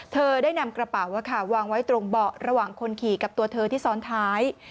เธอได้นำกระเป๋าวางไว้ตรงเบาะระหว่างคนขี่กับตัวเธอที่ซ้อนท้าย